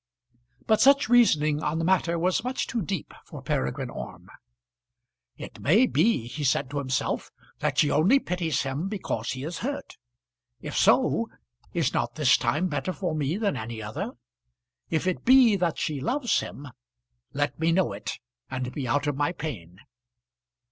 But such reasoning on the matter was much too deep for Peregrine Orme. "It may be," he said to himself, "that she only pities him because he is hurt. If so, is not this time better for me than any other? If it be that she loves him, let me know it, and be out of my pain."